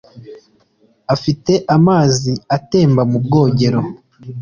Afite amazi atemba mu bwogero